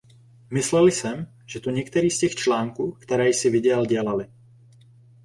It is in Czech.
Myslel jsem, že to některý z těch článků, které jsi viděl dělaly.